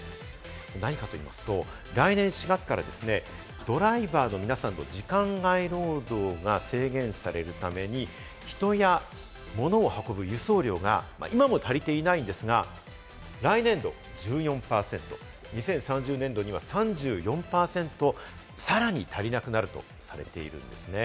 何かと言いますと来年４月からですね、ドライバーの皆さんの時間外労働が制限されるために、人や物を運ぶ輸送量が今も足りていないんですが、来年度は１４％、２０３０年度には３４％、さらに足りなくなるとされているんですね。